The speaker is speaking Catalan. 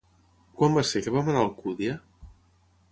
Quan va ser que vam anar a Alcúdia?